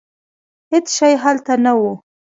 هېڅ شی هلته نه و.